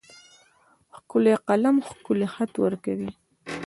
ښکلی قلم ښکلی خط ورکوي.